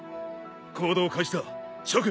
行動開始だ諸君。